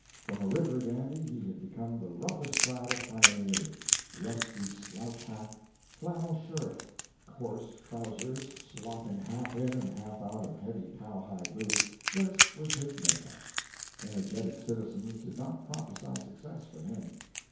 From a river dandy he had become the roughest clad of pioneers rusty slouch hat, flannel shirt, coarse trousers slopping half in and half out of heavy cowhide boots, this was his make up. Energetic citizens did not prophesy success for him.